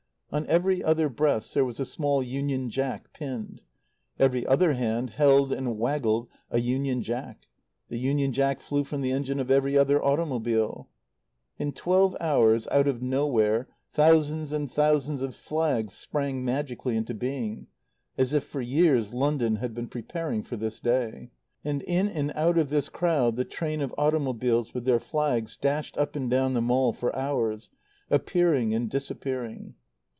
On every other breast there was a small Union Jack pinned; every other hand held and waggled a Union Jack. The Union Jack flew from the engine of every other automobile. In twelve hours, out of nowhere, thousands and thousands of flags sprang magically into being; as if for years London had been preparing for this day. And in and out of this crowd the train of automobiles with their flags dashed up and down the Mall for hours, appearing and disappearing.